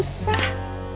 gantungin aja susah